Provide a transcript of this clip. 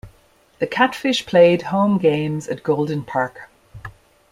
The Catfish played home games at Golden Park.